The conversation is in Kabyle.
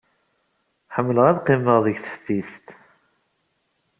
Ḥemmleɣ ad qqimeɣ deg teftist.